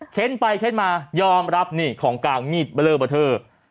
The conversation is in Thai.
ไปเค้นมายอมรับนี่ของกลางมีดเลอเบอร์เทอร์